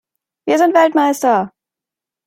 Wir sind Weltmeister!